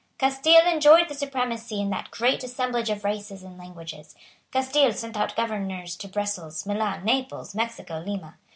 Castile enjoyed the supremacy in that great assemblage of races and languages. Castile sent out governors to Brussels, Milan, Naples, Mexico, Lima.